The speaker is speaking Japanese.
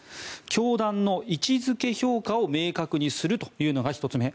教団の位置付け評価を明確にするというのが１つ目。